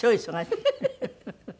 フフフフ！